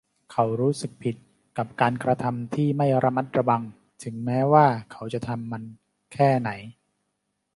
เขารู้สึกผิดกับการกระทำที่ไม่ระมัดระวังถึงแม้ว่าเขาจะทำมันแค่ไหน